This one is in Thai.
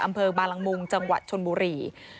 อำเภอบาลังมุงจังหวัดชนบุรี